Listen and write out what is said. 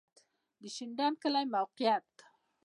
د شینډنډ کلی موقعیت